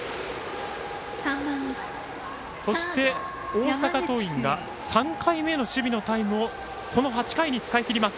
そして大阪桐蔭が３回目の守備のタイムをこの８回に使い切ります。